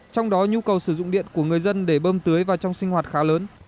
trong đó nhu cầu sử dụng điện của người dân để bơm tưới và trong sinh hoạt khá lớn